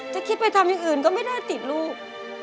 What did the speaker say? จะคิดไปทำอย่างอื่นก็ไม่ได้ติดลูก